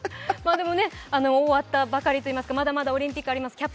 終わったばかりというか、まだまだオリンピックはあります。